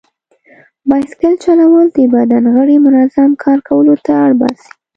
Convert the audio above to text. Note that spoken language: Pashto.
بایسکل چلول د بدن غړي منظم کار کولو ته اړ باسي.